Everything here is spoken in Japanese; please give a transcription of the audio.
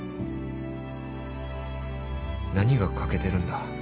何が欠けてるんだ？